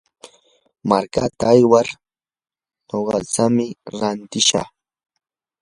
markaata aywar naqtsami rantishaq.